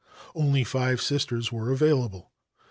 Only five Sisters were available.